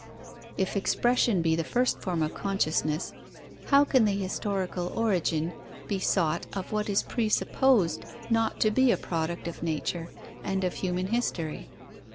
If expression be the first form of consciousness, how can the historical origin be sought of what is presupposed not to be a product of nature and of human history?